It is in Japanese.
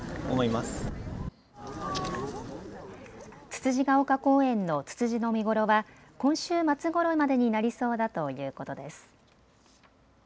つつじが岡公園のツツジの見頃は今週末ごろまでになりそうだということです。